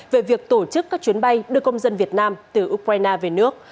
về việc tổ chức các chuyến bay đưa công dân việt nam từ ukraine về nước